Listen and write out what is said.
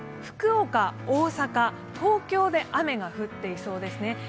福岡、大阪、東京で雨が降っていそうですね。